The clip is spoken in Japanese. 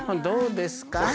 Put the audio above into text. どうですか？